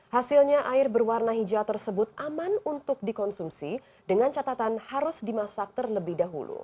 hasilnya air berwarna hijau tersebut aman untuk dikonsumsi dengan catatan harus dimasak terlebih dahulu